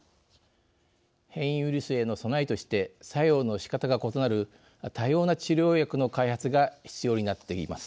変異ウイルスへの備えとして作用のしかたが異なる多様な治療薬の開発が必要になっています。